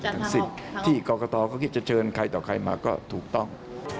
เป็นสิทธิ์ที่กรกตเขาคิดจะเชิญใครต่อใครมาก็ถูกต้อง